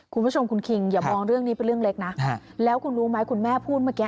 คุณผู้ชมคุณคิงอย่ามองเรื่องนี้เป็นเรื่องเล็กนะแล้วคุณรู้ไหมคุณแม่พูดเมื่อกี้